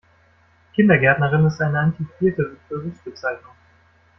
Kindergärtnerin ist eine antiquerte Berufsbezeichnung.